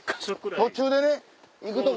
途中でね行くとこ。